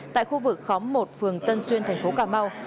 tại khu vực khóm một phường tân xuyên thành phố cà mau